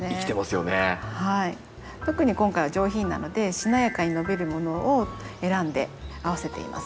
特に今回は「上品」なのでしなやかに伸びるものを選んで合わせています。